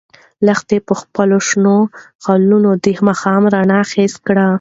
لښتې په خپلو شنو خالونو د ماښام رڼا حس کړه.